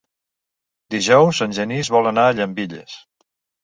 Dijous en Genís vol anar a Llambilles.